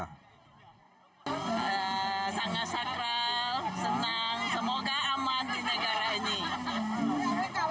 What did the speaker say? sangat sakral senang semoga aman di negara ini